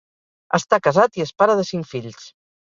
Està casat i és pare de cinc fills.